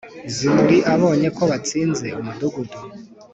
Zimuri abonye ko batsinze umudugudu